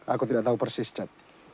aku tidak tahu persis cat